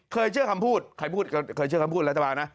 เชื่อคำพูดใครพูดเคยเชื่อคำพูดรัฐบาลนะ